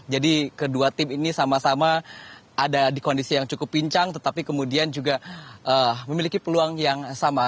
jadi kedua tim ini sama sama ada di kondisi yang cukup pincang tetapi kemudian juga memiliki peluang yang sama